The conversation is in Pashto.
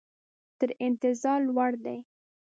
تر انتظار لوړ دي.